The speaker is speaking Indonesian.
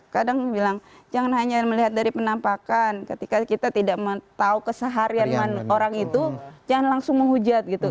kadang bilang jangan hanya melihat dari penampakan ketika kita tidak tahu keseharian orang itu jangan langsung menghujat gitu